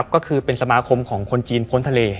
ก็คือเป็นสมาคมของคนจีนพ้นทะเล